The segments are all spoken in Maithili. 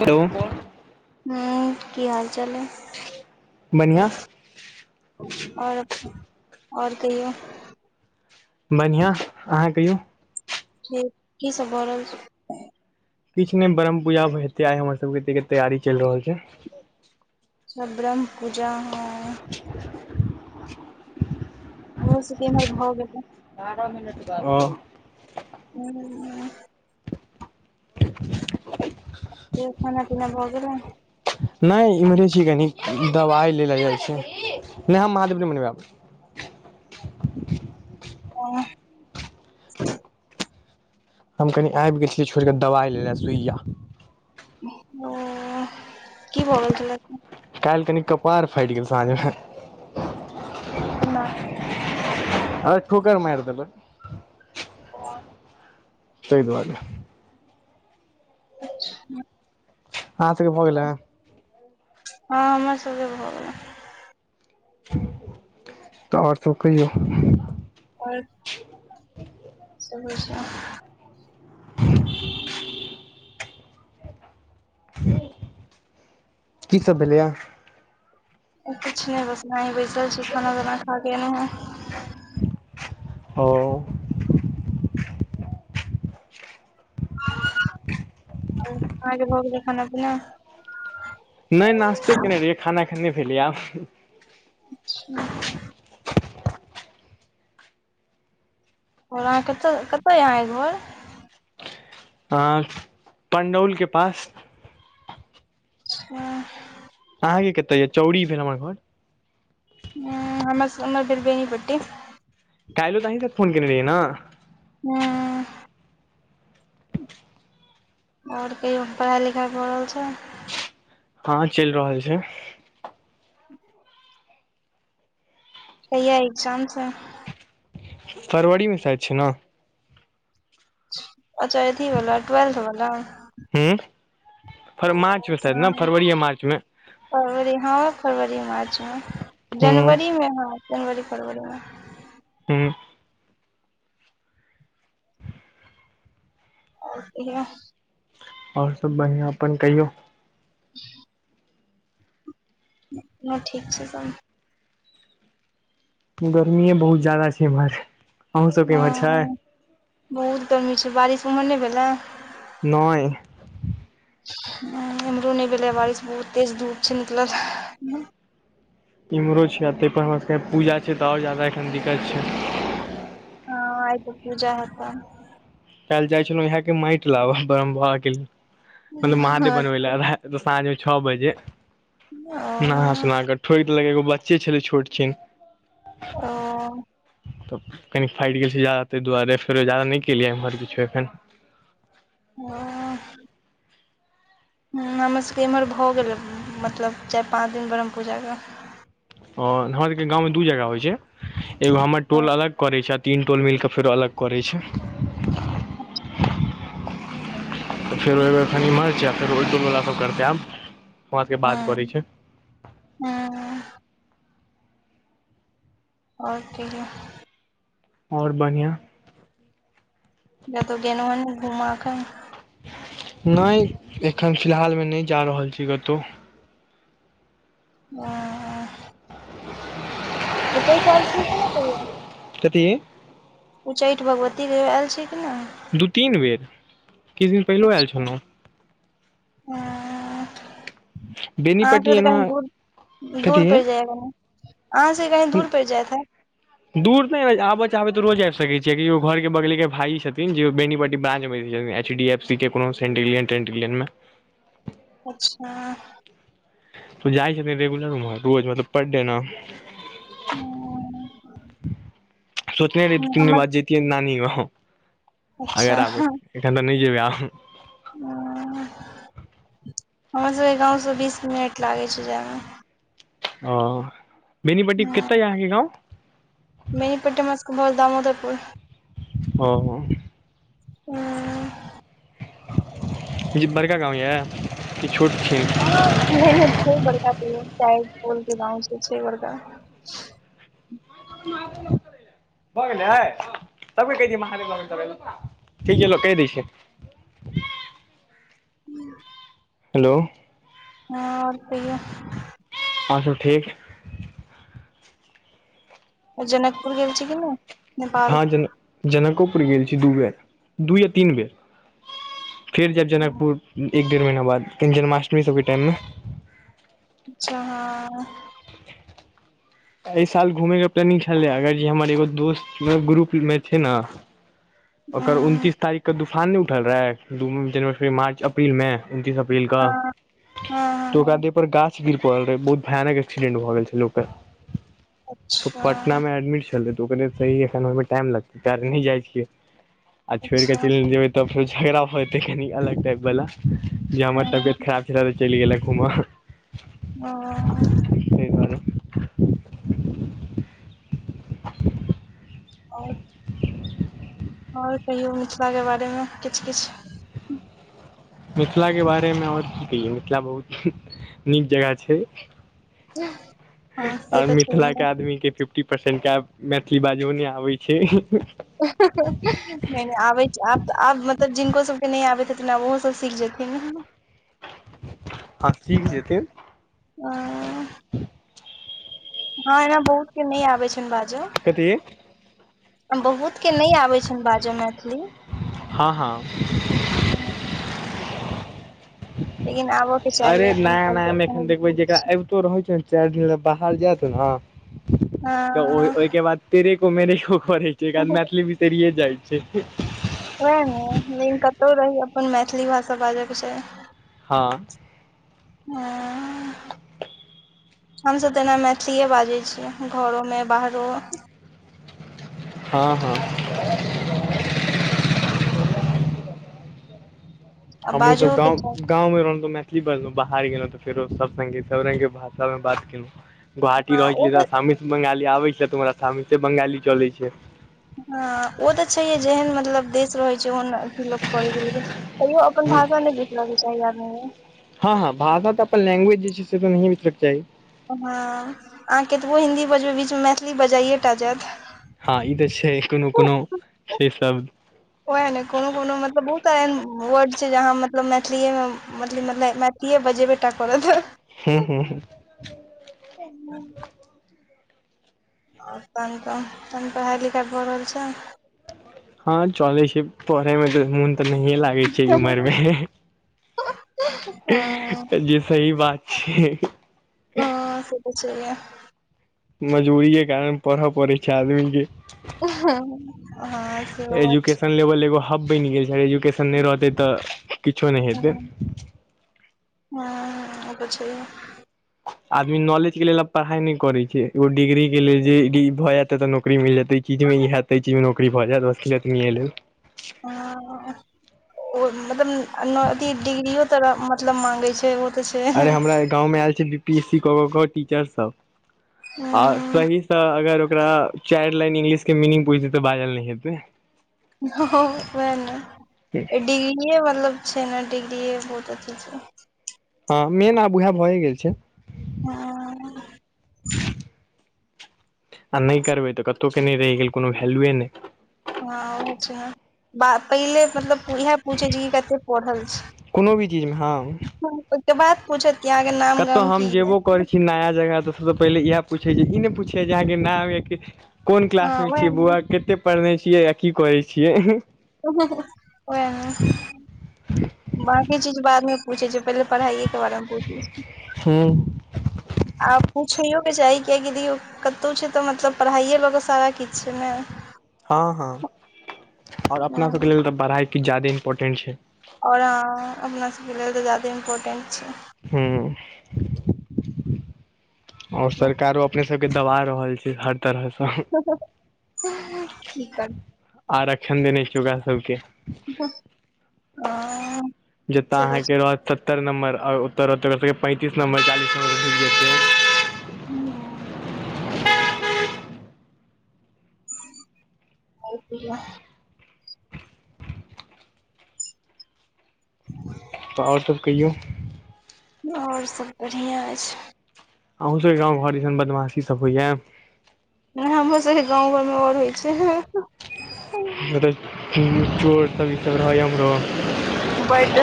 हेलो [unintelligible] हू, की हाल चाल अए? बढ़िआ। आओर, आओर कहियौ। बढ़िआँ, अहाँ कहियौ? ठीक, की सब भ रहल छै? किछु ने, ब्रह पूजा हते, आ हमर सब के, ए के तैयारी चलि रहल छै। अच्छा! ब्रह्म पूजा, है। आ [inaudible] भ सकै या एहमर भ गेल होई। बायह मिनट बात भेल। ह, [inaudible] खाना- पीना भ गैल नहि इम्हरे छी कनि, दवाइ ल ल जाइ छै‌ नहि हम महादेव नहि मनबायब आब। ओ। हम कनी आबि गेल छियै, छोड़ के दवाइ ले ले, सुइया। ओ, की भऽ गेल छलै। काल्हि कनि कपार फाटि गेल साँझ मे। केना? हओ ठोकर मार देलक। तैई दुआरे। अच्छा! हँ। अहाँ सभ के भ गेलई? हँ, हमर सबे भऽ गेलय। तऽ आओर सब कहियौ। आओर। की सब होइ छै? [inaudible] [inaudible] की सब भेलैया? किछ नय, बस एना ही बैसल छी, खाना -ताना खा के एलौ है। ओ। अहा के भ गेलै खाना- पिना? नय नाास्ते केने रहियै, खाना अखने नहि भेलियै, आब अच्छा! और अहाँ कतय, कतय यए अहाँ के घर? आय, पण्डौल के पास। [inaudible] अहाँके कतऽ यऽ? चौड़ी भेल हमर घर। हमर स हमर भेल बेनीपट्टी। काइलो त अहीं से फोन केने रहियै नऽ? हँ और कहियौ पढ़ाइ लिखाइ भऽ रहल छै? हँ चैल रहल छै। कहिया ए्ग्जाम छै? फरवरी मे शायद छै नऽ। अच्छा अथी बला टूवेल्थ बला। हूंह फर- मार्च मे शायद नऽ हँ फरवरी या मार्च मे। फरवरी हँ फरवरी मार्च मे हूँ जनवरी मे हँ, जनवरी फरवरी मे। हूं और कहियौह। और सब बढ़ियां अपन कहियौ। ह [inaudible] अपनो ठीक छै सम। गर्मिये बहुत जादा छै एमहर। ओ बहुत गर्मी छै बारिश ओमहर नै भेलए। नय। एम्हरो नै भेलैए बारिश बहुत तेज धूप छै निकलल। इम्हरो छै आ तै पर हमर सबके आय पूजा छै त और जादा एखैन दिक्कत छै। हॅं आय तऽ पूजा हेतैन। काइल्ह जाय छलौं इहेए के माइट लाबऽ ब्रह्म बाबा के मतलब महादेव बनबै ले रहेए। त साँझ मे छऽ बजे, ओ नहा सुना क ठोइक देलक एगो बच्चे छलै छोट छिन। ओऽ। त कनि फाइट गेल छै जादा तै दुवारे फेरो जादा नै केलियै एमहर किछो एखैन। [unintelligible] हूं हमर सबके इमहर भऽ गेलए मतलब चारि पाँच दिन ब्रह्म पूजा क। ओ हमर सबके गाँव मे दू जगह होइ छै एगो हमर टोल अलग करै छै आ तीन टोल मिल के फेरो अलग करै छै। अच्छा तऽ फेर ओइ बेर अखनि इमहर छै आ फेर ओय टोल बला सब करतै आब। हमरा सबके बात हँ करै छै हाँ [inaudible] और कहियौह। और बढ़ियां। कतौ गेलौं हें नै घूमा कऽ? नै एखन फिलहाल मे नै जा रहल छी कतौ। अ ओ त अइ साल [unintelligible] कथी? उच्चैठ भगवती कहियो आएल छियै कि नै? दू तीन बेर किछ दिन पहिलो आएल छलौंह। हंह अहाँ सब बेनीपट्टी के तऽ एना कनि दूर, कथी दूर पड़ि जाइये कनि। अहाँ सके कनी दूर पइर जैत हैत। दूर तनै आबऽ चाहबै तऽ रोज आइब सकै छियै कीगो घर के बगले के भाई छथिन जे बेनीपट्टी ब्रांच मे जै में एच डी एफ सी के कोनो सेंटिलियन टेंटिलियन में अच्छा। तू जाइ छथि रेगुलर उम्हर रोज मतलब पर डे न? सोचने रही तऽ तीन हमर बाद जैत तियै नानी गाँव अच्छा अगर आबै एखन तऽ नै जेबै आब। [inaudible] हमर सबके गाँव स बीस मिनट लागै छै जायमे। ओ बेनीपट्टी मे केतय अय अहाँके गाँव? बेनीपट्टी में हमरा सकऽ भऽ गेल दामोदरपुर। ओहो। हँ ई बड़का गाँव यै की छोट छिन? हँ नै नै बहुत बड़का छैय [unintelligible] के गाँव से छै बड़का। [unintelligible] भऽ गेलै आय हँ सबके कैह दियै [unintelligible] ठीक केलौं कैह दै छियै। हूं। हेलो। हँ और कहियौ। और सब ठीक। जनकपुर गेल छी कि नै? नेपाल हँ जनक जनकोपुर गेल छी दू बेर दू या तीन बेर। फेर जैब जनकपुर एक डढ़ महिना बाद कनि जन्माष्टमी सबके टाइम में। अच्छा। एय साल घुमै के प्लानिंग छलैए अगर ई हमर एगो दोस्त ग्रुप में छै न ओकर हँ उनतीस तारीख कऽ तूफान नै उठल रहै दू जनवरी फरवरी मार्च अप्रिल में। उनतीस अप्रिल कऽ हँ हँ तऽ उकरा हँ देह पर गाछ गिर पड़ल रहै बहुत भयानक एक्सीडेंट भऽ गेल छेलै ओकर। तो अच्छा पटना में एडमिट छलै तऽ उ कहलियै सही एखन होइ में टाइम लगतै तैरे नै जाइ छियै। आ छोइड़ कऽ अच्छा चइल जेबै तब फेर झगड़ा भऽ जेतै कनि अलग टाइपवला जे हमर हँ तबियत खराब छेलै तऽ चइल गेला घुमऽ। ओ दुआरे [inaudible] और। और कहियौ मिथला के बारेमे किछ-किछ। मिथिलाके बारेमे और की कहियौ मिथिला बहुत नीक जगह छै। हँ से और तऽ छैहे मिथिला के आदमी के फिफ फटी परसेंट के आब मैथिली बाजयो नैय आबै छै। [inaudible] नैय नैय आबै छै आब तऽ आब मतब जिनको सबके नै आबैत हेथिन आब ओहो सब सीख जेथिन। हँ सीख जेथिन। अ हँ एमे बहुत के नै आबै छैन बाजऽ। कथि? बहुत के नै आबै छैन बाजऽ मैथिली। हँ हँ। हँ, लेकिन आबऽ के चाही अरे अपन नया नया मे एखन देखबै जेकरा कल्चर अबितो रहै छै चारि दिन लेल बाहर जाएत ने, तऽ ओहिके बाद तेरेको-मेरेको करए [inaudible] हँ मैथिली बिसरिये जाइ छै। ओएह ने, लेकिन कतहु रही, अपन मैथिली भाषा बाजयके चाही। हँ। आ। हमसभ तऽ एना मैथिलीए बाजै छी, घरोमे बाहरो। हँ हँ। आ हमहूँ सभ बाजहोके गाँव चाही गाँवमे रहलहुँ तऽ मैथिलीए बजलहुँ। बाहर गेलहुँ तऽ फेरो सभ सङ्गे सभ रंगक भाषामे बात केलहुँ। गुवाहाटी हँ रहै ओ छलियै तऽ शामित बंगाली आबैत छलय, तऽ हमरा शामिते बंगाली चलै छै। हँ, ओ तऽ छैहे। जेहन मतलब देश रहैत छै ओहन लोक। [inaudible] तैयो अपन भाषा नहि बिसरय के चाही आदमीके। हँ हँ, भाषा तऽ अपन लैंग्वेज जे छै से तऽ नहिए बिसरय के चाही। हँ, अहाँ कतबो हिन्दी बजबै, बीच मे मैथिली बजाइए टा जाएत। हँ, ई तऽ छै। कोनो-कोनो से शब्द। ओएह ने, कोनो कोनो मतलब बहुत सारा एहन वर्ड छै जे आहा मतलब मैथिलीएमे मतलब, मैथिलीए बजेबे टा करत। हू- हू -हू। ह आ तहन तऽ, तहन पढ़ाइ-लिखाइ भऽ रहल छै? हँ चलै छै पढ़े में त मोन तऽ नहि लाग होय छै उमर मे, हँ जे सही बात छै। ह से तऽ छै। मजबूरिये कारण पढ़ऽ पड़ै छै आदमी के। हँ सेहो बात छै। लेल एगो हब बनि गेल छै। एजुकेशन नहि रहतै तऽ किछो नहि हेतै। ह ओ तऽ छैहे। आदमी नॉलेज के लेल आब पढ़ाइ नहि करे छै। एग डिग्री के लेल जे भऽ जेते तऽ नौकरी मिल जेते। चीजमे ई हयत त एहि चीज मे नौकरी भऽ जायत बस एतनिए लेल। हा ओ मतलब अथी डिग्रियो तो मतलब माँगै छै ओ तऽ छै अरे हमरा गाँव मे आयल छै बी पी एस सी कऽ कऽ कऽ टीचर सभ। आ हँ सहीसँ अगर ओकरा चायर लाइन इंग्लिश के मीनिंग पूछि देतय तऽ बाजल नय हेतै। ह वेह ना? डिग्रीे मतलब छै हर डिग्रीए बहुत अथी छै। हँ मेन आब उएह भए गेल छै। हँ। आ नहि करबै तऽ कतहु के नहि रहि गेल कोनो वैलुए नहि। हँ ओहो छै बा पहिले मतलब ओहय पूछे जे ई कतेक पढ़ल छी कोनो भी चीजमे हँ ओहिके बाद पूछत कि अहा के नाम कतहु गाम हम की जेबो करै ये छी नया जगह तऽ सबसऽ पहिने इहे पूछय जे, ई नय पूछे जे, अहाके नाम या किछु, कोन हँ क्लास मे ओएह छियई ने बौआ कते पढ़ने छियै या की करै छियै? ओहेऽ ने, बाकी चीज बादमे पूछय छय पहिले पढ़ाइये के बारे मे पूछय छय्। हूँ आप पुछैयो के चाही कियेकी दियो- कतौ छय त, मतलब पढ़ाइए लकऽसारा किछ छै ने? हँ हँ और ह अपनासभके लेल तऽ पढ़ाइ किछ ज्यादे इम्पोर्टेंट छै। और हँ अपना सभके लेल तऽ ज्यादे इम्पोर्टेंट छै। हुं, और सरकारो अपने सबके दबा रहल छै, हर तरहसँ। की कर्- आरक्षण देने छय ओकरा सबके। आ- जत रहत अहाँ के रहत सत्तर नम्बर और ओत रहतय ओकरा सबके पैंतीस नंबर चालीस नंबर मिल जेते। [unintelligible] [unintelligible] [inaudible] त और सब कहियौ? और सब बढ़िया अइछ। अहूँ सबके गाँव घर दिसन बदमाशी सब होइयै। नै हमरो सबके गाँव घरमे और होइ छै। [unintelligible] चोर सब ई सब रहयै उम्हरो? बैड,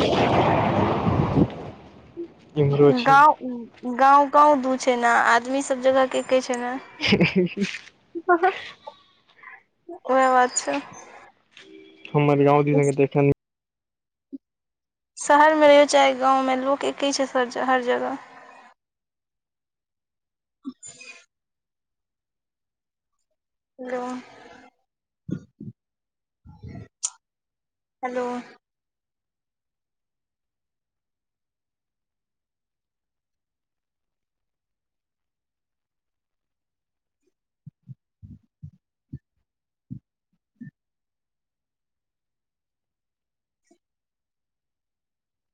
इम्हरो छै गांव- गाँंव गाँंव दू छै ने, आदमी सब जगह के एक्के छै ने। [unintelligible] ओहै बात छै। हमर गाँव दिस [unintelligible] अख्खन शहरमे रहियौ चाहे गाँवमे, लोक एक्के छै हर जगह। Hello- [inaudible] hello.